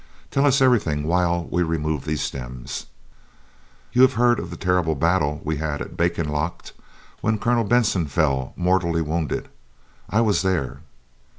"Tell us everything while we remove these stems." "You have heard of the terrible battle we had at Bakenlaagte when Colonel Benson fell, mortally wounded? I was there."